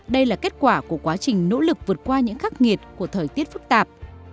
đây là kết quả của quá trình nỗ lực vượt qua những khắc nghiệt của thời tiết phức tạp